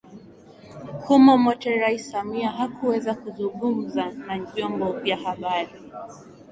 Humo mote Rais Samia hakuweza kuzungumza na vyombo vya habari